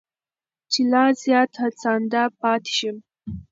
چې لا زیات هڅانده پاتې شم.